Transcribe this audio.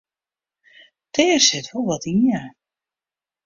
Dat sit der wol yn ja.